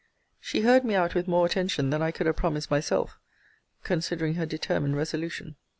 She heard me out with more attention than I could have promised myself, considering her determined resolution.